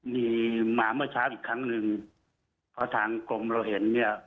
มีมาเมื่อเช้าอีกครั้งหนึ่งเพราะทางกรมเราเห็นเนี่ย